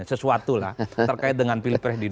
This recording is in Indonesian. sesuatu lah terkait dengan pilpreh di dua ribu dua puluh empat